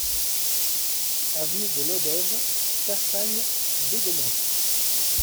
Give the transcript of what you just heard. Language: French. Avenue de Lodève, Cassagnes-Bégonhès